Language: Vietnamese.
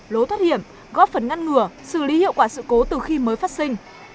lối thoát hiểm góp phần ngăn ngừa xử lý hiệu quả sự cố từ khi mới phát sinh